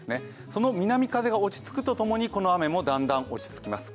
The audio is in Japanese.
その南風が落ち着くとともにこの雨もだんだん落ち着きます。